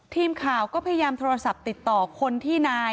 ทีมข่าวก็พยายามโทรศัพท์ติดต่อคนที่นาย